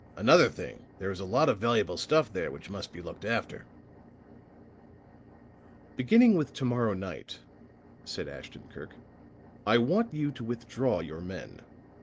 Another thing, there is a lot of valuable stuff there which must be looked after." "Beginning with to morrow night," said Ashton Kirk, "I want you to withdraw your men.